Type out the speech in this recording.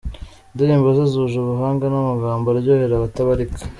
Indirimbo ze zuje ubuhanga n’amagambo aryohera abatabarika.